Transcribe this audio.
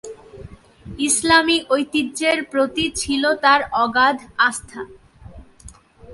ইসলামি ঐতিহ্যের প্রতি ছিল তার অগাধ আস্থা।